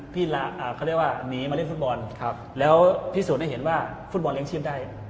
เขาเรียกว่าหนีมาเล่นฟุตบอลแล้วพิสูจน์ให้เห็นว่าฟุตบอลเลี้ยชีพได้